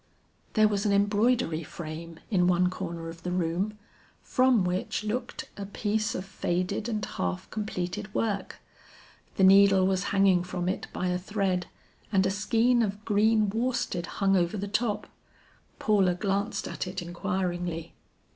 There was an embroidery frame in one corner of the room, from which looked a piece of faded and half completed work. The needle was hanging from it by a thread, and a skein of green worsted hung over the top, Paula glanced at it inquiringly.